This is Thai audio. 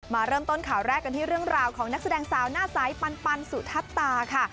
มาเริ่มต้นข่าวแรกกันที่เรื่องราวของนักแสดงสาวหน้าใสปันสุทัศตาค่ะ